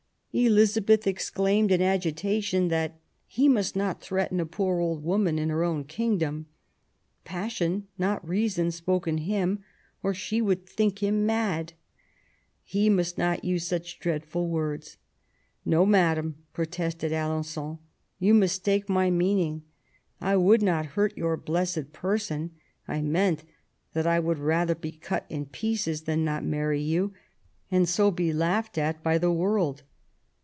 Elizabeth exclaimed in agitation that '' he must not threaten a poor old woman in her own kingdom. Passion, not reason, spoke in him, or she would think him mad. He must not use such dreadful words.*' " No, madam," protested Alen9on, "you mistake my meaning. I j would not hurt your blessed person. I meant that I THE ALENgON MARRIAGE. i8i would rather be cut in pieces than not marry you, and so be laughed at by the world.